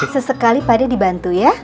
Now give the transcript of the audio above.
sesekali pade dibantu ya